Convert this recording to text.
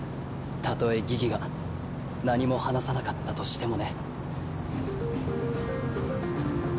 たとえギギが何も話さなかったとしてもね。